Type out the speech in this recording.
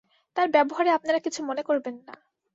তার ব্যবহারে আপনারা কিছু মনে করবেন না।